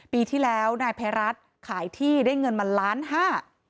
ปีที่แล้วนายภัยรัฐขายที่ได้เงินมาล้านห้า